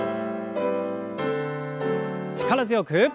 力強く。